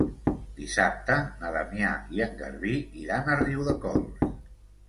Dissabte na Damià i en Garbí iran a Riudecols.